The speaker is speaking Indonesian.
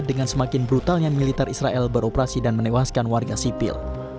dengan semakin brutalnya militer israel beroperasi dan menewaskan warga sipil